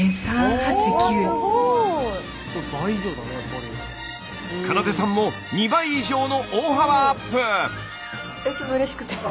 花奏さんも２倍以上の大幅アップ！